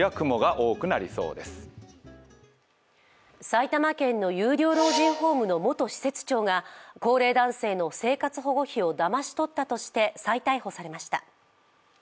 埼玉県の有料老人ホームの元施設長が高齢男性の生活保護費をだまし取ったとして再逮捕されました。